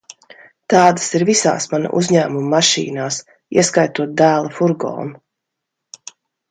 Tādas ir visās mana uzņēmuma mašīnās, ieskaitot dēla furgonu.